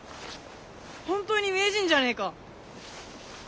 本当に名人じゃねえか。